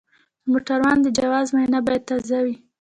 د موټروان د جواز معاینه باید تازه وي.